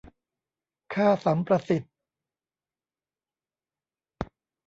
ค่าสัมประสิทธิ์